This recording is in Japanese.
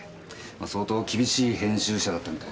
相当厳しい編集者だったみたいですね。